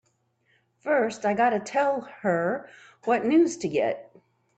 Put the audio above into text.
First I gotta tell her what news to get!